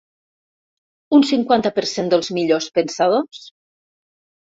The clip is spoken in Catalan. Un cinquanta per cent dels millors pensadors?